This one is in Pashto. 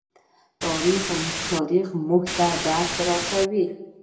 تاریخ موږ ته درس راکوي.